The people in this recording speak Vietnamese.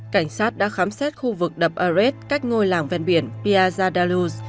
cảnh sát đã khám xét khu vực đập ares cách ngôi làng ven biển piazadalus